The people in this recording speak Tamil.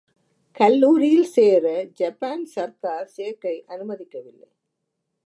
கல்லூரியில் சேர ஜப்பான் சர்க்கார் ஷேக்கை அனுமதிக்கவில்லை.